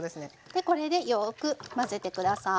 でこれでよく混ぜて下さい。